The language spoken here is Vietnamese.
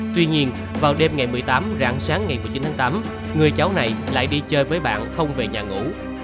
tuy nhiên vào đêm ngày một mươi tám rạng sáng ngày một mươi chín tháng tám người cháu này lại đi chơi với bạn không về nhà ngủ